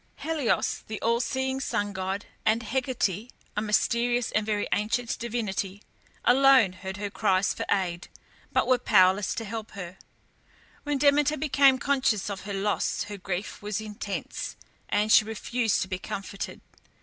Helios, the all seeing sun god, and Hecate, a mysterious and very ancient divinity, alone heard her cries for aid, but were powerless to help her. When Demeter became conscious of her loss her grief was intense, and she refused to be comforted.